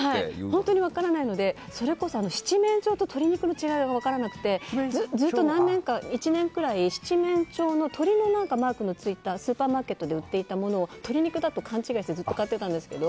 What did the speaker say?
本当に分からないので七面鳥と鶏肉の違いが分からなくてずっと１年くらい鳥のマークがついた七面鳥のものをスーパーマーケットで売っていたものを鶏肉だと勘違いしてずっと買ってたんですけど。